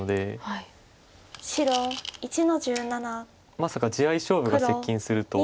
まさか地合い勝負が接近するとは。